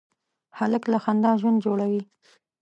هلک له خندا ژوند جوړوي.